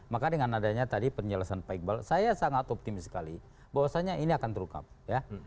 maka dengan adanya tadi penjelasan pak iqbal saya sangat optimis sekali bahwasannya ini akan terungkap ya